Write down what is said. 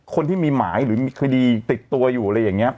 คนที่มีหมายหรือมีคดีติดตัวอยู่อะไรอย่างนี้